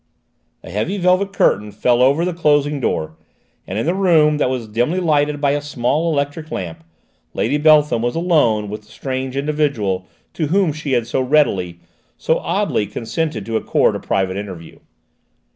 A heavy velvet curtain fell over the closing door, and in the room, that was dimly lighted by a small electric lamp, Lady Beltham was alone with the strange individual to whom she had so readily, so oddly, consented to accord a private interview.